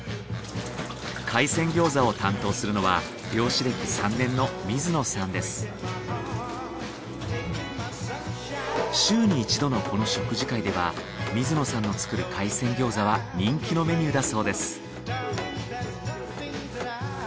海鮮餃子を担当するのは週に一度のこの食事会では水野さんの作る海鮮餃子は人気のメニューだそうです。